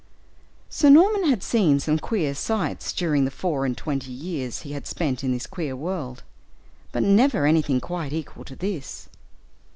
Sir Norman had seen some queer sights during the four and twenty years he had spent in this queer world, but never anything quite equal to this.